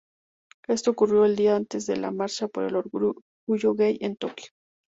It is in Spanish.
Esto ocurrió el día antes del a Marcha por el Orgullo Gay en Tokio.